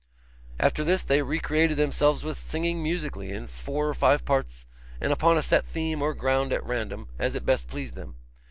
After this they recreated themselves with singing musically, in four or five parts, or upon a set theme or ground at random, as it best pleased them.